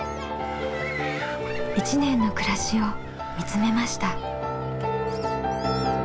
１年の暮らしを見つめました。